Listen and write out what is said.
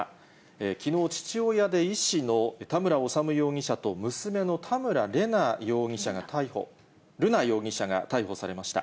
きのう、父親で医師の田村修容疑者と娘の田村瑠奈容疑者が逮捕されました。